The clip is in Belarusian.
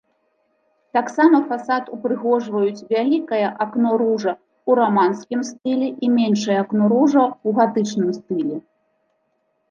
Таксама фасад упрыгожваюць вялікае акно-ружа ў раманскім стылі і меншае акно-ружа ў гатычным стылі.